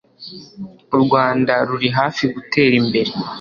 u rwanda ruri hafi gutera imbere